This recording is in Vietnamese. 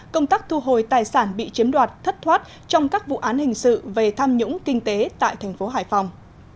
công tác thu hồi tài sản bị chiếm đoạt thất thoát trong các vụ án hình sự về tham nhũng kinh tế tại thành phố hải phòng